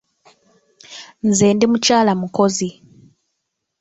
Nze ndi mukyala mukozi.